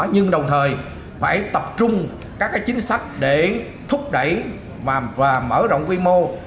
nhưng đồng thời phải tập trung các chính sách để thúc đẩy và mở rộng quy mô